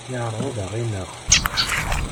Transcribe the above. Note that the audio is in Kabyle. Yeɛreḍ ad aɣ-ineɣ.